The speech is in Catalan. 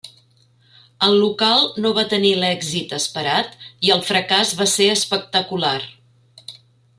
El local no va tenir l'èxit esperat i el fracàs va ser espectacular.